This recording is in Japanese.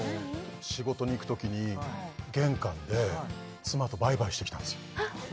仕事に行くときに玄関で妻とバイバイしてきたんですよ